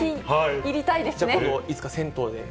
今度いつか銭湯で一緒に。